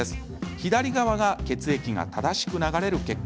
左側が血液が正しく流れる血管。